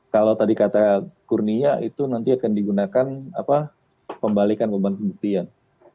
kalau tadi kata kurnia itu nanti akan digunakan pembalikan beban pembuktian